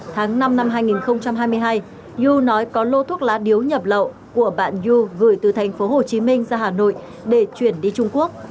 tháng năm năm hai nghìn hai mươi hai yu nói có lô thuốc lá điếu nhập lậu của bạn yu gửi từ thành phố hồ chí minh ra hà nội để chuyển đi trung quốc